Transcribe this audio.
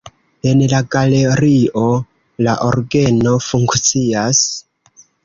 En la galerio la orgeno funkcias.